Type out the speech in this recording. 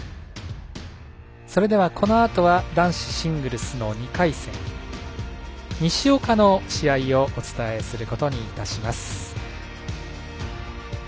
それでは、このあとは男子シングルスの２回戦西岡の試合をお伝えすることにいたします。